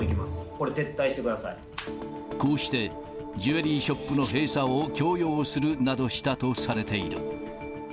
これ、こうして、ジュエリーショップの閉鎖を強要するなどしたとされている。